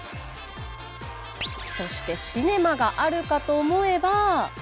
そしてシネマがあるかと思えば。